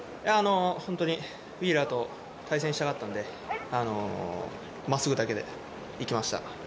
本当にウィーラーと対戦したかったので真っすぐだけで行きました。